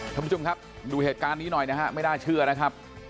ท่านผู้ชมครับดูเหตุการณ์นี้หน่อยนะฮะไม่น่าเชื่อนะครับ